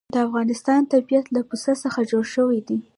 د افغانستان طبیعت له پسه څخه جوړ شوی دی.